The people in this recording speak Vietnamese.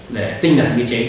để tinh dạng biên chế